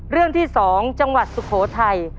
เรื่องที่๒จังหวัดสุโขทัย